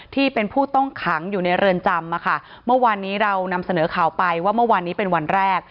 ที่เป็นผู้ต้องขังอยู่ในเรือนจำอ่ะค่ะเมื่อวานนี้เรานำเสนอข่าวไปว่าเมื่อวานนี้เป็นวันแรก